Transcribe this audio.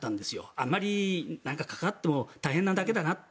あまり関わっても大変なだけだなと。